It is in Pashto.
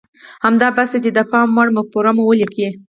همدا بس ده چې د پام وړ مفکوره مو وليکئ.